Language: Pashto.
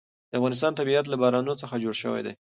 د افغانستان طبیعت له بارانونو څخه جوړ شوی دی.